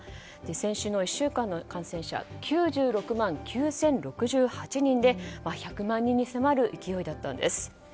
先週の１週間の感染者は９６万９０６８人で１００万人に迫る勢いだったんです。